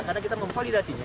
karena kita memvalidasinya